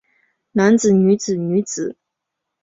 男子女子女子